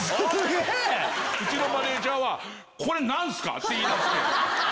うちのマネジャーは「これ何すか？」って言い出して。